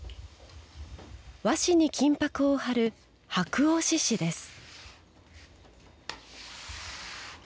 和紙に金ぱくを貼る箔押師です。